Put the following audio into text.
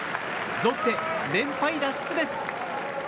ロッテ、連敗脱出です！